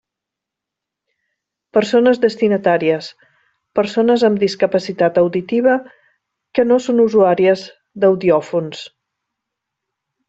Persones destinatàries: persones amb discapacitat auditiva que no són usuàries d'audiòfons.